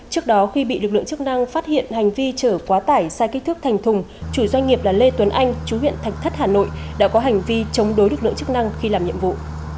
trước đó khi bị lực lượng chức năng phát hiện hành vi chở quá tải sai kích thước thành thùng chủ doanh nghiệp là lê tuấn anh chú huyện thạch thất hà nội đã có hành vi chống đối lực lượng chức năng khi làm nhiệm vụ